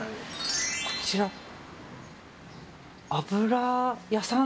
こちら、油屋さん？